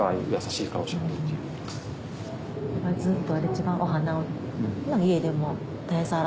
ずっと。